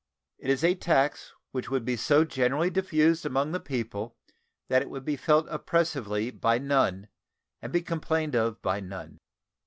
It is a tax which would be so generally diffused among the people that it would be felt oppressively by none and be complained of by none.